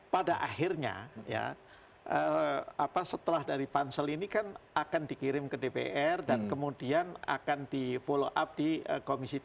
pada akhirnya ya setelah dari pansel ini kan akan dikirim ke dpr dan kemudian akan di follow up di komisi tiga